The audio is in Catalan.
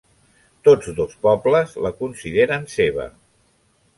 Tots dos pobles la consideren seva.